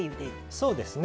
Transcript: そうですね。